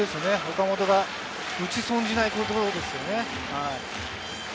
岡本が打ち損じないことですよね。